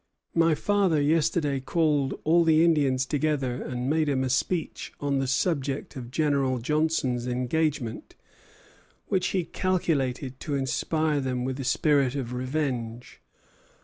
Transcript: My father yesterday called all the Indians together and made 'em a speech on the subject of General Johnson's engagement, which he calculated to inspire them with a spirit of revenge."